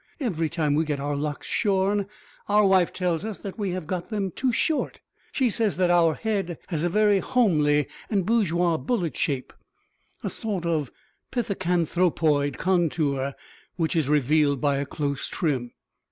Every time we get our locks shorn our wife tells us that we have got them too short. She says that our head has a very homely and bourgeois bullet shape, a sort of pithecanthropoid contour, which is revealed by a close trim.